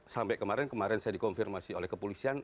sampai kemarin kemarin saya dikonfirmasi oleh kepolisian